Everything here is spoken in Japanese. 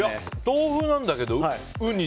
豆腐なんだけどウニ。